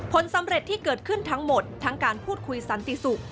ผลสำเร็จที่เกิดขึ้นทั้งหมดทั้งการพูดคุยสันติสุข